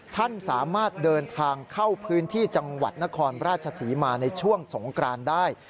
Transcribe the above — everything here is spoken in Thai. ท่านสามารถเดินทางเข้าพื้นที่จังหวัดนครราชศรีมาในช่วงสงกรานได้